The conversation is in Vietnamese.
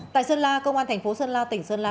tại sơn la công an thành phố sơn la tỉnh sơn la